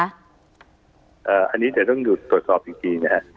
อันนี้จะต้องดูรสอบจริงนะครับ